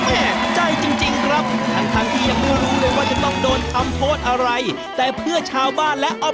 ไม่รู้เลยว่าจะต้องโดนคำโพสเกี่ยวกันเพื่อชาวบ้านแหละอบจาอยอก